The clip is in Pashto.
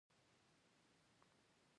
انکشافي بودجه د پرمختګ لپاره ده